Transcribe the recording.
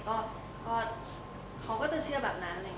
ก็เค้าก็จะเชื่อแบบนั้น